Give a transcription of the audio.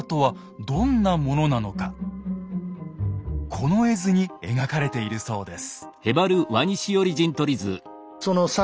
この絵図に描かれているそうです。